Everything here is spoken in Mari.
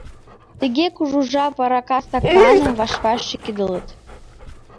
Тыге кужу жап арака стаканым ваш-ваш шӱкедылыт.